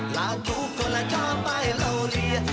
เราทุกคนจะชอบไปโลเวีย